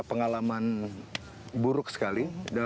pengalaman buruk sekali